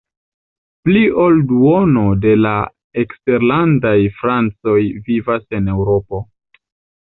Pli ol duono de la eksterlandaj francoj vivas en Eŭropo.